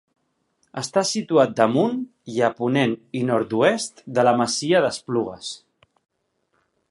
Està situat damunt i a ponent i nord-oest de la masia d'Esplugues.